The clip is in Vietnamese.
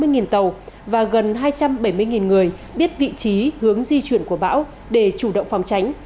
ba mươi tàu và gần hai trăm bảy mươi người biết vị trí hướng di chuyển của bão để chủ động phòng tránh